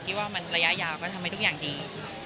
ว่ามันระยะยาวก็ทำให้ทุกอย่างดี